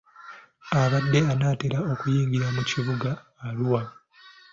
Abadde anaatera okuyingira mu kibuga Arua.